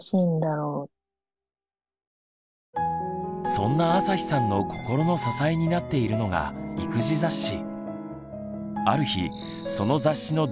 そんなあさひさんの心の支えになっているのが育児雑誌。